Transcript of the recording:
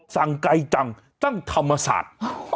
สั่งไกลจังตั้งธรรมศาสตร์